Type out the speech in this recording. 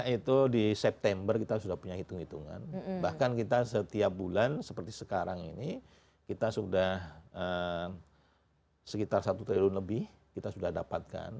itu di september kita sudah punya hitung hitungan bahkan kita setiap bulan seperti sekarang ini kita sudah sekitar satu triliun lebih kita sudah dapatkan